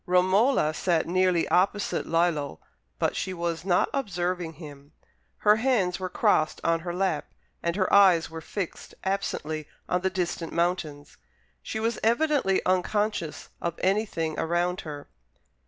Romola sat nearly opposite Lillo, but she was not observing him. Her hands were crossed on her lap, and her eyes were fixed absently on the distant mountains: she was evidently unconscious of anything around her.